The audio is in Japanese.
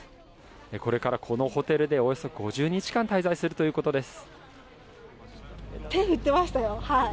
これからこのホテルでおよそ５０日間滞在するということです。